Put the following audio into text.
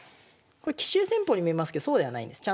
これ奇襲戦法に見えますけどそうではないんです。